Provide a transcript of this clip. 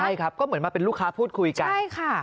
ใช่ครับก็เหมือนมาเป็นลูกค้าพูดคุยกันใช่ค่ะ